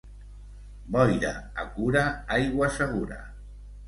Boira a Cura, aigua segura.